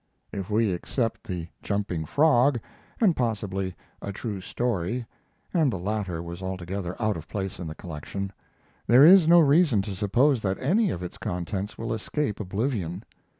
If we except "The Jumping Frog," and possibly "A True Story" (and the latter was altogether out of place in the collection), there is no reason to suppose that any of its contents will escape oblivion.